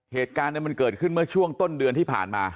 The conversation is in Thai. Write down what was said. เหตุการณ์มันเกิดขึ้นเมื่อช่วงต้นเดือนที่ผ่านมา